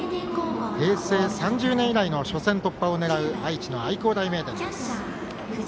平成３０年以来の初戦突破を狙う愛知の愛工大名電です。